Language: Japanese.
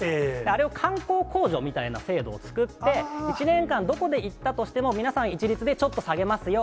あれを観光控除みたいな制度を作って、１年間どこで行ったとしても、皆さん一律でちょっと下げますよ。